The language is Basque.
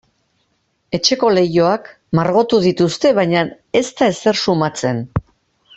Etxeko leihoak margotu dituzte baina ez da ezer sumatzen.